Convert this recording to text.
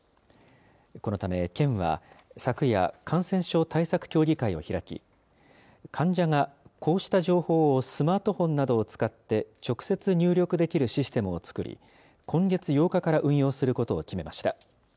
このため県は昨夜、感染症対策協議会を開き、患者がこうした情報をスマートフォンなどを使って直接入力できるシステムを作り、今月８日から運用することを決めました。